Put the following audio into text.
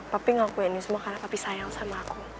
papi ngelakuin ini semua karena papi sayang sama aku